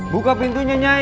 buka pintunya nyai